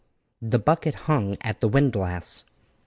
The bucket hung at the windlass.